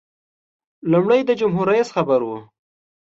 لومړی د جمهور رئیس خبر و.